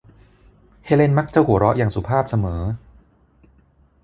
เฮเลนมักจะหัวเราะอย่างสุภาพเสมอ